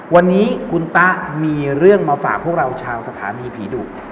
วันนี้คุณตะมีเรื่องมาฝากพวกเราชาวสถานีผีดุ